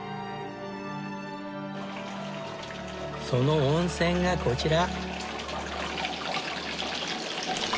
その温泉がこちら。